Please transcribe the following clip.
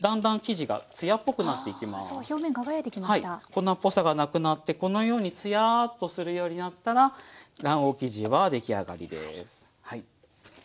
粉っぽさがなくなってこのようにツヤーッとするようになったら卵黄生地は出来上がりです。